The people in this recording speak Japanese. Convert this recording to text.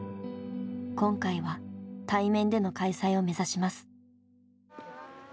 今回は対面での開催を目指します。